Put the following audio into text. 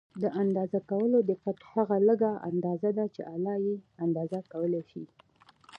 د اندازه کولو دقت هغه لږه اندازه ده چې آله یې اندازه کولای شي.